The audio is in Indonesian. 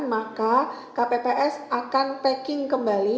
maka kpps akan packing kembali